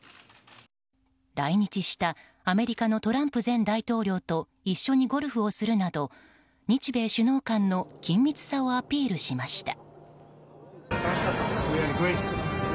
来日したアメリカのトランプ前大統領と一緒にゴルフをするなど日米首脳間の緊密さをアピールしました。